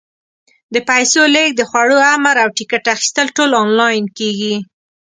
د پیسو لېږد، د خوړو امر، او ټکټ اخیستل ټول آنلاین کېږي.